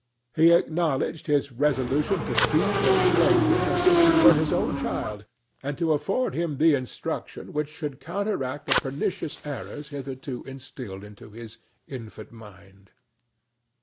He acknowledged his resolution to feed and clothe him as if he were his own child, and to afford him the instruction which should counteract the pernicious errors hitherto instilled into his infant mind.